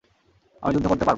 আমি যুদ্ধ করতে পারব।